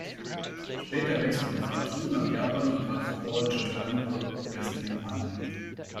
Später wechselte Fatu nach Japan und trat für All Japan Pro Wrestling an.